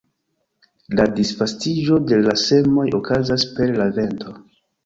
La disvastiĝo de la semoj okazas per la vento.